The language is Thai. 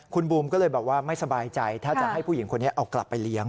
คุณบูมก็เลยบอกว่าไม่สบายใจถ้าจะให้ผู้หญิงคนนี้เอากลับไปเลี้ยง